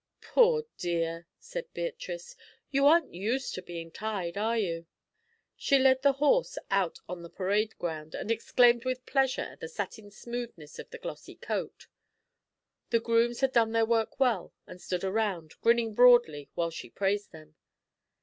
"Poor dear," said Beatrice, "you aren't used to being tied, are you?" She led the horse out on the parade ground and exclaimed with pleasure at the satin smoothness of the glossy coat. The grooms had done their work well and stood around, grinning broadly, while she praised them.